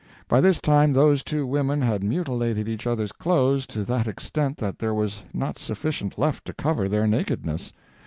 By this time those two women had mutilated each other's clothes to that extent that there was not sufficient left to cover their nakedness.